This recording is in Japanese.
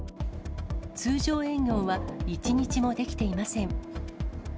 通常営業は１日もできていません。